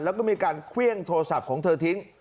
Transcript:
แล้วก็มีการเครื่องโทรศัพท์ของเธอทิ้ง